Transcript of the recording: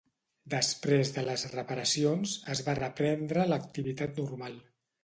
Després de les reparacions, es va reprendre l'activitat normal.